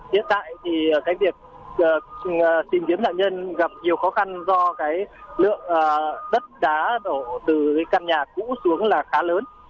hiện tại thì cái việc tìm kiếm nạn nhân gặp nhiều khó khăn do cái lượng đất đá đổ từ cái căn nhà cũ xuống là khá lớn